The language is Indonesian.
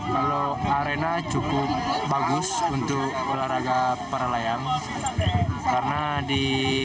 kalau arena cukup bagus untuk berlari